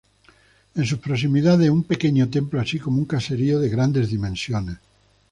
En sus proximidades, un pequeño templo, así como un caserío de grandes dimensiones.